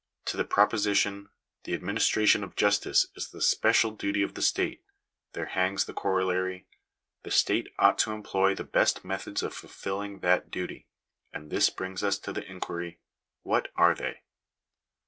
To the proposition — the ad ministration of justice is the special duty of the state, there hangs the corollary — the state ought to employ the best methods of fulfilling that duty; and this brings us to the inquiry — What are they